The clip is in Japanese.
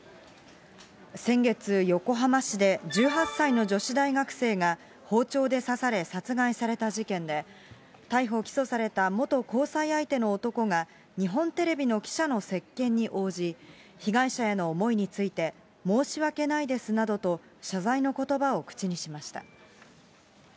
先月、横浜市で１８歳の女子大学生が包丁で刺され殺害された事件で、逮捕・起訴された元交際相手の男が、日本テレビの記者の接見に応じ、被害者への思いについて、申し訳ないですなどと、謝罪のことばを口にしました。